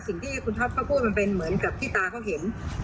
สิ่งที่คุณท็อปเขาพูดมันเป็นเหมือนกับที่ตาเขาเห็น